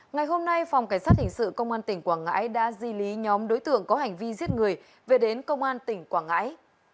ngày hôm nay phòng cảnh sát hình sự công an tỉnh quảng ngãi đã di lý nhóm đối tượng có hành vi giết người về đến công an tỉnh quảng ngãi